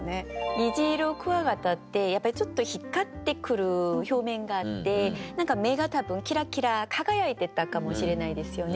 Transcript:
ニジイロクワガタってちょっと光ってくる表面があって何か目が多分キラキラ輝いてたかもしれないですよね。